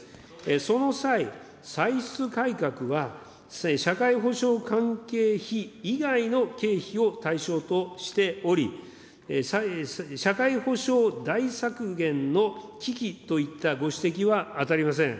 その際、歳出改革は社会保障関係費以外の経費を対象としており、社会保障大削減の危機といったご指摘は当たりません。